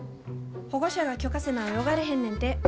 保護者が許可せな泳がれへんねんて。